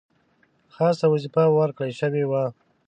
خاصه وظیفه ورکړه شوې وه.